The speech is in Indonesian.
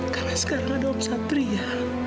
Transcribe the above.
karena sekarang ada om satria